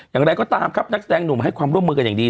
อย่างไรก็ตามครับนักแสดงหนุ่มให้ความร่วมมือกันอย่างดี